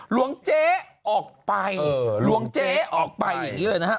หลวงเจ๊ออกไปหลวงเจ๊ออกไปอย่างนี้เลยนะฮะ